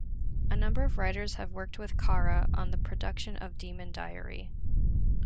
A number of writers have worked with Kara on the production of "Demon Diary".